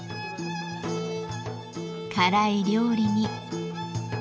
辛い料理に。